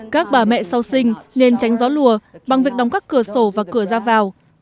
các bà mẹ sau sinh nên tránh gió lùa bằng việc đóng các cửa sổ và cửa ra vào